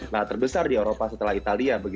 nah terbesar di eropa setelah italia